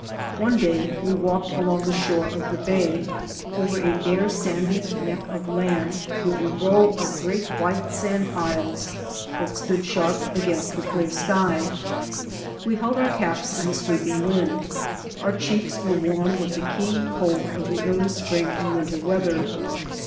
One day we walked along the shore of the 3 by Google MY MOTHER AND I bay, over a bare sandy neck of land to a row of great white sand piles that stood sharp against the clear sky. We held our caps in the sweeping wind. Our cheelcs were warm with the keen cold of the early spring and winter weather.